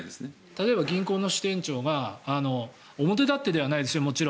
例えば銀行の支店長が表立ってではないですよ